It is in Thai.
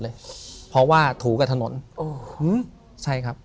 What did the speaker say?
ถูกต้องไหมครับถูกต้องไหมครับ